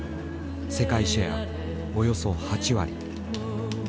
世界シェアおよそ８割。